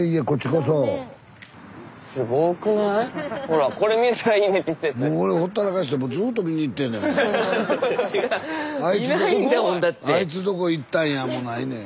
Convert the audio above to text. スタジオ「あいつどこ行ったんや」もないねん。